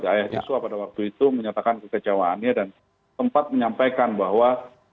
ayah tisua pada waktu itu menyatakan kekecewaannya dan sempat menyampaikan bahwa